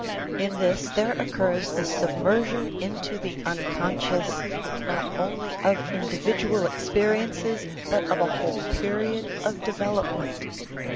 In this there occurs the submersion into the unconscious not only of individual experi ences but of a whole period of development.